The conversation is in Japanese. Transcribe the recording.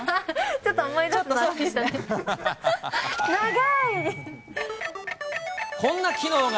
ちょっと思い出すのが。